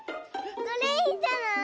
これいいんじゃない？